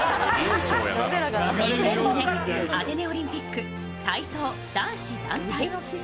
２００５年アテネオリンピック、体操男子団体。